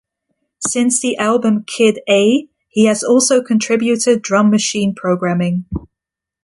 Since the album "Kid A", he has also contributed drum machine programming.